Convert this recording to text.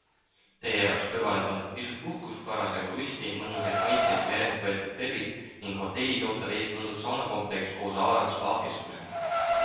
Teie jaoks kõrvale pandud pisut puhkust, parasjagu lusti, mõnusaid maitseid, merest võetud tervist ning hotellis ootab ees mõnus saunakompleks koos avara spaakeskusega!